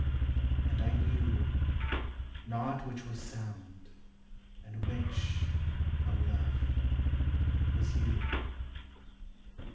And I knew Not which was sound, and which, O Love, was you.